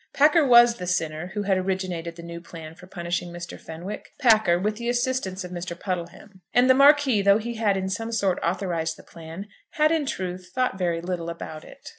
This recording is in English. Packer was the sinner who had originated the new plan for punishing Mr. Fenwick, Packer, with the assistance of Mr. Puddleham; and the Marquis, though he had in some sort authorised the plan, had in truth thought very little about it.